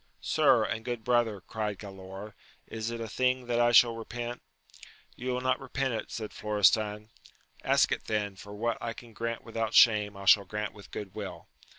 Sir, and good brother, cried Galaor, is it a thing that I shall repent ? You will not repent it, said Florestan. — ^Ask it then ; for what I can grant without shame, I shall grant with good will.